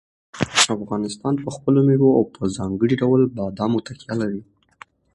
افغانستان په خپلو مېوو او په ځانګړي ډول بادامو تکیه لري.